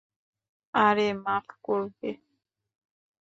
আরে, মাফ করবে!